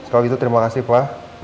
kalau gitu terima kasih pak